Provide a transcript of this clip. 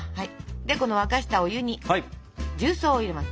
でこの沸かしたお湯に重曹を入れます。